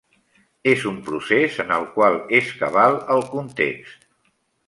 És un procés en el qual és cabal el context.